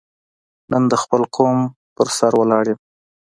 نن د خپل قوم په سر ولاړ یم.